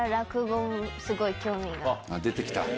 あっ出て来た。